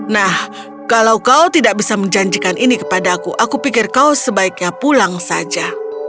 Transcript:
nah kalau kau tidak bisa menjanjikan ini kepada aku aku pikir kau sebaiknya pulang saja